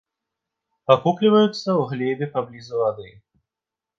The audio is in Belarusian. Акукліваюцца ў глебе паблізу вады.